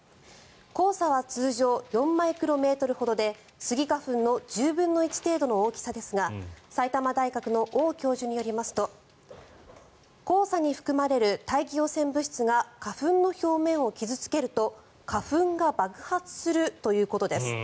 黄砂は通常４マイクロメートルほどでスギ花粉の１０分の１程度の大きさですが埼玉大学のオウ教授によりますと黄砂に含まれる大気汚染物質が花粉の表面を傷付けると花粉が爆発するということです。